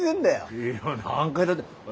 いや何回だっておい亮。